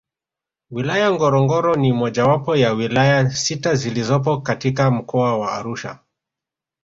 Wilaya Ngorongoro ni mojawapo ya wilaya sita zilizopo katika Mkoa wa Arusha